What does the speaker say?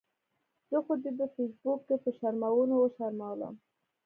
زه خو دې په فیسبوک کې په شرمونو وشرمؤلم